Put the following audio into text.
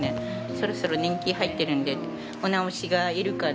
そろそろ年季入っているのでお直しがいるかな。